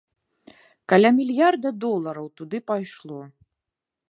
Каля мільярда долараў туды пайшло.